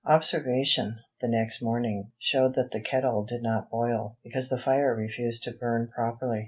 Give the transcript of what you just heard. Observation, the next morning, showed that the kettle did not boil, because the fire refused to burn properly.